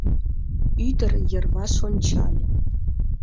Ӱдыр йырваш ончале.